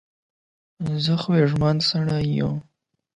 زه خوږمن سړی یم.